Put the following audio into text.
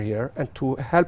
và giúp đỡ họ